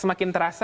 semakin terasa ya